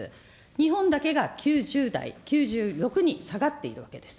日本だけが９０台、９６に下がっているわけです。